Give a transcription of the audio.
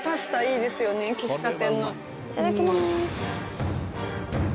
いただきます。